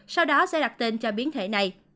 sau đó sẽ đặt tên cho biến thể này